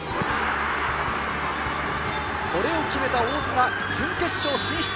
これを決めた大津が準決勝進出。